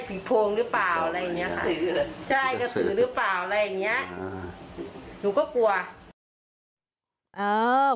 เป็นผีโพงหรือเปล่าอะไรอย่างนี้ค่ะใช่กระสือหรือเปล่าอะไรอย่างนี้หนูก็กลัว